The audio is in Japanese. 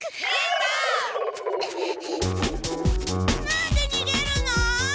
何でにげるの？